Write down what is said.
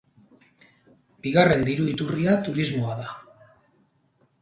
Bigarren diru iturria turismoa da.